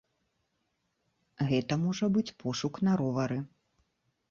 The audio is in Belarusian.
Гэта можа быць пошук на ровары.